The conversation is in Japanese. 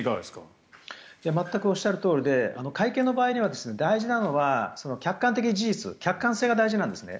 全くおっしゃるとおりで会見の場合には大事なのは客観的事実客観性が大事なんですね。